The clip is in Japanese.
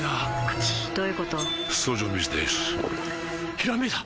ひらめいた！